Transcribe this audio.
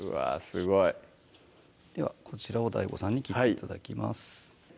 すごいではこちらをＤＡＩＧＯさんに切って頂きます